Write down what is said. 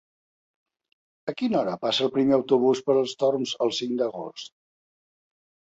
A quina hora passa el primer autobús per els Torms el cinc d'agost?